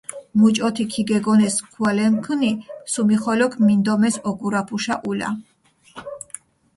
მუჭოთი ქიგეგონეს სქუალენქჷნი, სუმიხოლოქ მინდომეს ოგურაფუშა ულა.